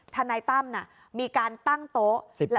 ทนายตั้มมีการตั้งโต๊ะ